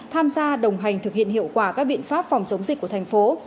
tham gia đồng hành thực hiện hiệu quả các biện pháp phòng chống dịch của thành phố